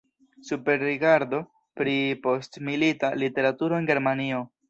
Superrigardo pri postmilita literaturo en Germanio.